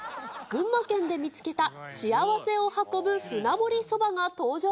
群馬県で見つけた、幸せを運ぶ舟盛りそばが登場。